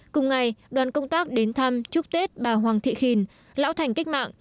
cùng ngày đoàn công tác đến thăm chúc tết bà hoàng thị khin lão thành cách mạng